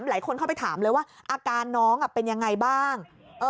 หลายคนเข้าไปถามเลยว่าอาการน้องเป็นยังไงบ้าง